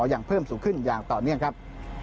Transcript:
ยังเพิ่มสูงขึ้นอย่างต่อเนื่องครับ